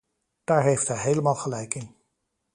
Daar heeft hij helemaal gelijk in.